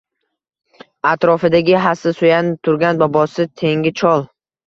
Atrofidagi hassa suyanib turgan bobosi tengi chol.